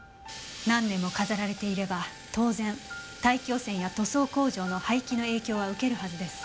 何年も飾られていれば当然大気汚染や塗装工場の排気の影響は受けるはずです。